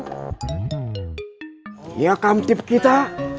ini akam tip kita